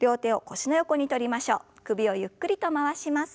首をゆっくりと回します。